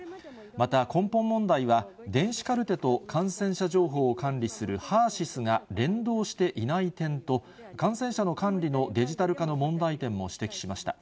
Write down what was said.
また、根本問題は、電子カルテと感染者情報を管理するＨＥＲーＳＹＳが連動していない点と、感染者の管理のデジタル化の問題点も指摘しました。